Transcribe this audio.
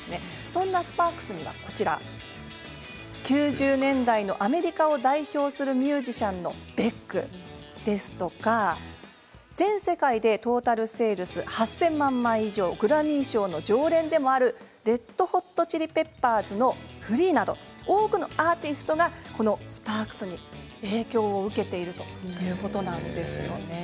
そんなスパークスには９０年代のアメリカを代表するミュージシャンのベック全世界でトータルセールス、８０００万枚以上グラミー賞の常連でもあるレッド・ホット・チリ・ペッパーズのフリーなど多くのアーティストがこのスパークスに影響を受けているということなんですね。